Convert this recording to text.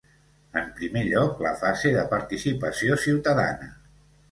En primer lloc, la fase de participació ciutadana.